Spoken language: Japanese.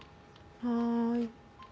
はい。